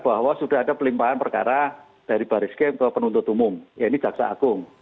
bahwa sudah ada pelimpaan perkara dari baris kem ke penuntut umum ini jaksa akung